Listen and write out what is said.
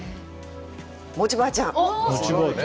餅ばあちゃん。